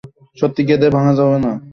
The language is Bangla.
সত্যিই কি এদের ভাঙা যাবে না?